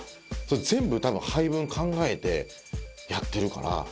それ全部多分配分考えてやってるから。